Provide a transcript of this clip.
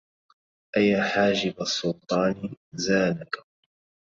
أيا حاجب السلطان زانك